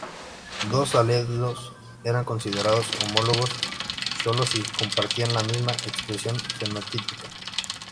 Dos alelos eran considerados homólogos solo si compartían la misma expresión fenotípica.